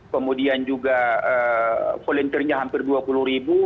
kemudian juga volunteernya hampir dua puluh ribu